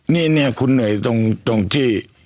นี่คุณเหนื่อยตรงที่